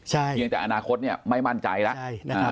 ยังจากอนาคตไม่มั่นใจแล้วนะครับใช่